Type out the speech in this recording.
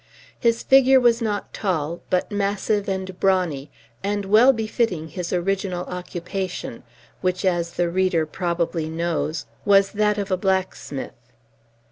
His figure was not tall, but massive and brawny, and well befitting his original occupation; which as the reader probably knows was that of a blacksmith.